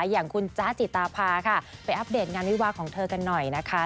อย่างคุณจ๊ะจิตาพาค่ะไปอัปเดตงานวิวาของเธอกันหน่อยนะคะ